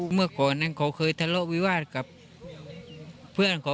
เมื่อก่อนนั้นเขาเคยทะเลาะวิวาสกับเพื่อนเขา